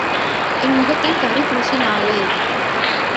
என் முகத்தில் கரி பூசினாயே!